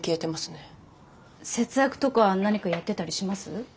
節約とか何かやってたりします？